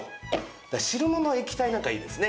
だから汁もの液体なんかいいですね。